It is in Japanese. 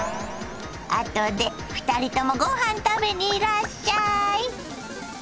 あとで２人ともごはん食べにいらっしゃい。